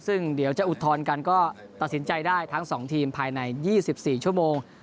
ซึ่งเดี๋ยวจะอุทธรณ์กันก็ตัดสินใจได้ทั้ง๒ทีมภายใน๒๔ชั่วโมง